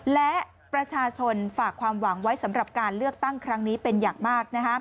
และประชาชนฝากความหวังไว้สำหรับการเลือกตั้งครั้งนี้เป็นอย่างมาก